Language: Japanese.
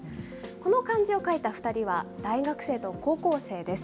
この漢字を書いた２人は大学生と高校生です。